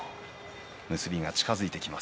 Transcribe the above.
結びが近づいてきています